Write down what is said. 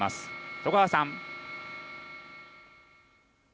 十川さん。